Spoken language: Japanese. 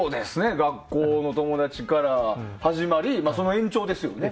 学校の友達から始まりその延長ですよね。